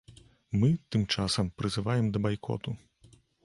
Мы, тым часам, прызываем да байкоту.